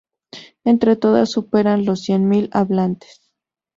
Entre todas superan los cien mil hablantes.